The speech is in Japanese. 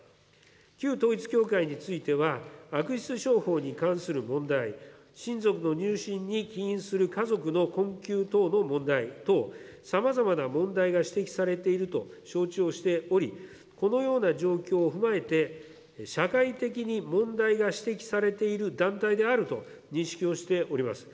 旧統一教会については、悪質商法に関する問題、親族の入信に起因する家族の困窮等の問題等、さまざまな問題が指摘されていると承知をしており、このような状況を踏まえて、社会的に問題が指摘されている団体であると認識をしております。